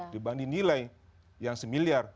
dibanding nilai yang satu miliar